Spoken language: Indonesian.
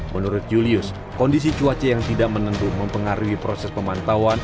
menurut julius kondisi cuaca yang tidak menentu mempengaruhi proses pemantauan